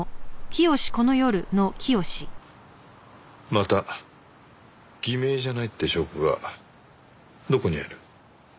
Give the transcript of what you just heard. また偽名じゃないって証拠がどこにある？